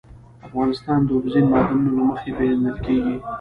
افغانستان د اوبزین معدنونه له مخې پېژندل کېږي.